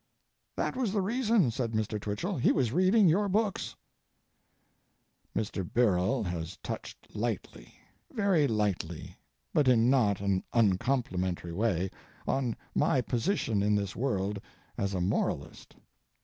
"That was the reason," said Mr. Twichell, "he was reading your books." Mr. Birrell has touched lightly—very lightly, but in not an uncomplimentary way—on my position in this world as a moralist.